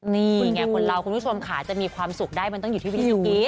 นี่ไงคนเราคุณผู้ชมค่ะจะมีความสุขได้มันต้องอยู่ที่วิซูกิ